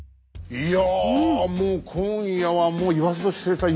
いや。